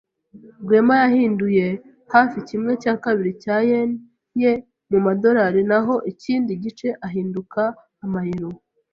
Rwema yahinduye hafi kimwe cya kabiri cya yen ye mu madorari naho ikindi gice ahinduka amayero.